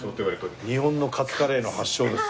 日本のカツカレーの発祥です。